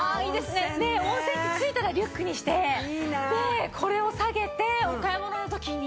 ねっ温泉行って着いたらリュックにしてでこれを下げてお買い物の時に。